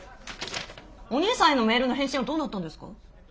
お兄さんへのメールの返信はどうなったんですか？